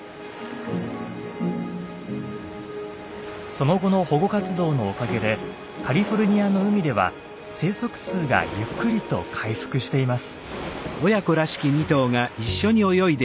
その後の保護活動のおかげでカリフォルニアの海では生息数がゆっくりと回復しています。